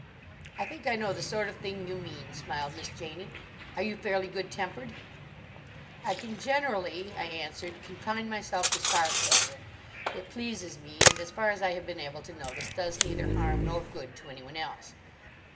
"I think I know the sort of thing you mean," smiled Miss Janie. "Are you fairly good tempered?" "I can generally," I answered, "confine myself to sarcasm. It pleases me, and as far as I have been able to notice, does neither harm nor good to anyone else."